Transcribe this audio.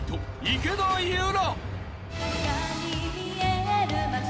池田裕楽。